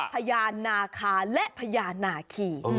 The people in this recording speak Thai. พญานาคาและพญานาคี